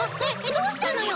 どうしたのよ？